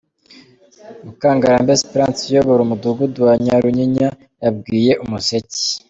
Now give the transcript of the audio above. Mukangarambe Esperance uyobora Umudugudu wa Nyarunyinya yabwiye Umuseke.